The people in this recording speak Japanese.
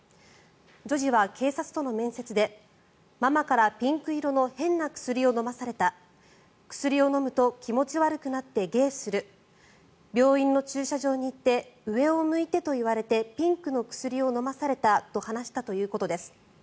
女児は警察との面接でママからピンク色の変な薬を飲まされた薬を飲むと気持ち悪くなってゲーする病院の駐車場に行って上を向いてと言われてピンクの薬を飲まされたと話したということです。